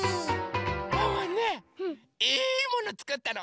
ワンワンねいいものつくったの！